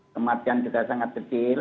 kematian juga sangat tinggi ya